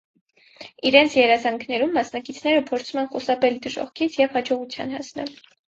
Իրենց երազանքներում մասնակիցները փորձում են խուսափել դժոխքից և հաջողության հասնել։